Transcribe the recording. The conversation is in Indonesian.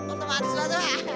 untung hati suatu fah